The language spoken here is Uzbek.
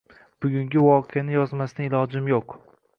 Bugungi voqeani yozmasdan ilojim yo`q